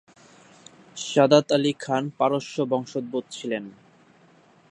সাদাত আলি খান পারস্য বংশোদ্ভূত ছিলেন।